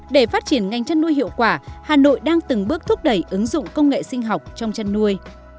để phát triển ngành chăn nuôi hiệu quả hà nội đang từng bước thúc đẩy ứng dụng công nghệ sinh học trong chăn nuôi